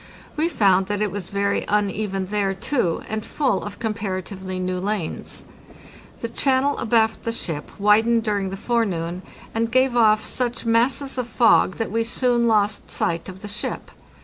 We found that it was very uneven there, too, and full of comparatively new lanes. The channel abaft the ship widened during the forenoon, and gave off such masses of fog that we soon lost sight of the ship.